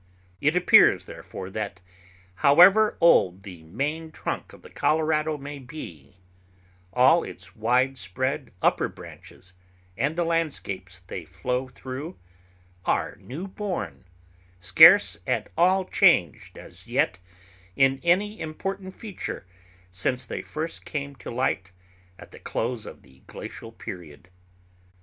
It appears, therefore, that, however old the main trunk of the Colorado may be, all its widespread upper branches and the landscapes they flow through are new born, scarce at all changed as yet in any important feature since they first came to light at the close of the Glacial Period.